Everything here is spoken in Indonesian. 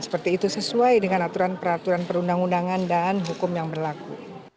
seperti itu sesuai dengan aturan peraturan perundang undangan dan hukum yang berlaku